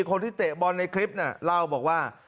เตะบอลในคลิปน่ะเล่าบอกว่า